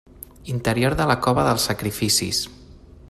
Interior de la cova dels sacrificis.